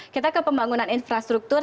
kita ke pembangunan infrastruktur